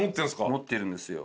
持ってるんですよ。